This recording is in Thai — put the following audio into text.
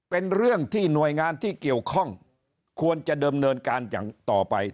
เป็นเรื่องที่หน่วยงานที่เกี่ยวข้องควรจะเดิมเนินการอย่างต่อไป